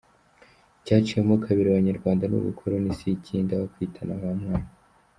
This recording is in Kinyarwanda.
Icyaciyemo kabiri abanyarwanda ni ubukoloni si ikindi, aho kwitana bamwana.